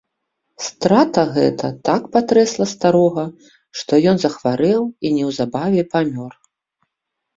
Страта гэта так патрэсла старога, што ён захварэў і неўзабаве памёр.